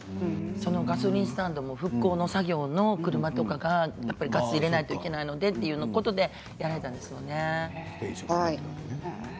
そのガソリンスタンドも復興作業の車とかがガスを入れなければいけないということでやられたんですよね。